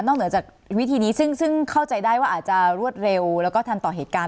เหนือจากวิธีนี้ซึ่งเข้าใจได้ว่าอาจจะรวดเร็วแล้วก็ทันต่อเหตุการณ์